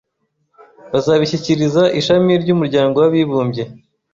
bazabishyikiriza ishami ry'umuryango w'abibumbye